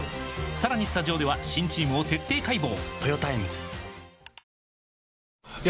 さらにスタジオでは新チームを徹底解剖！